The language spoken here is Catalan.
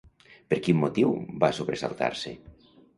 Per quin motiu va sobresaltar-se?